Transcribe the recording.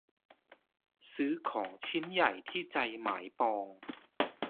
ซื้อของชิ้นใหญ่ที่ใจหมายปอง